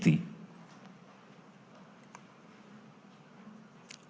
tidak dapat menganggur